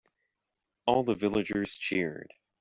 All the villagers cheered.